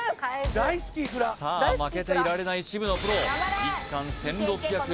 大好きイクラさあ負けていられない渋野プロ１貫１６００円